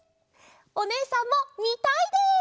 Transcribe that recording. おねえさんもみたいです！